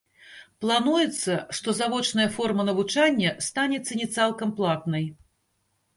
Плануецца, што завочная форма навучання стане ці не цалкам платнай.